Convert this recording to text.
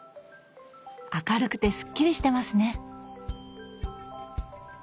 明るくてすっきりしてますね。